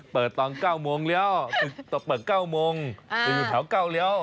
เปิดตอนเก้าโมงเลี้ยวเปิดเก้าโมงอยู่แถวเก้าเลี้ยว